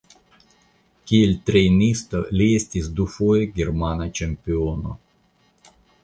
Kiel trejnisto li estis dufoje germana ĉampiono.